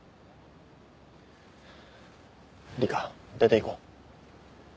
理花出ていこう。